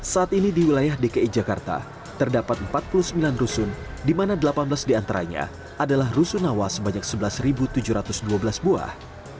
saat ini di wilayah dki jakarta terdapat empat puluh sembilan rusun di mana delapan belas diantaranya adalah rusunawa sebanyak sebelas tujuh ratus dua belas buah